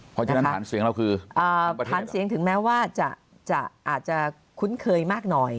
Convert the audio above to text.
เพราะฉะนั้นฐานเสียงเราคือฐานเสียงถึงแม้ว่าอาจจะคุ้นเคยมากหน่อย